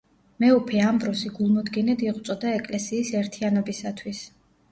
მეუფე ამბროსი გულმოდგინედ იღვწოდა ეკლესიის ერთიანობისათვის.